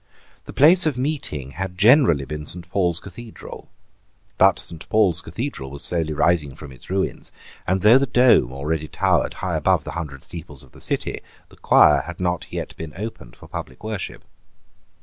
The place of meeting had generally been Saint Paul's Cathedral. But Saint Paul's Cathedral was slowly rising from its ruins; and, though the dome already towered high above the hundred steeples of the City, the choir had not yet been opened for public worship.